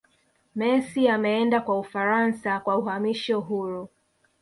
messi ameenda kwa ufaransa kwa uhamisho huru